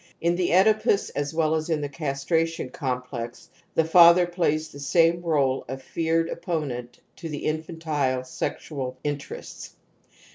In the Oedipus as well as in the castration complex the father plays the same r61e of feared opponent to the infantile sexual interests.